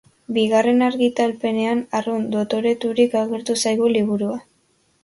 Bigarren argitalpenean arrunt dotoreturik agertu zaigu liburua.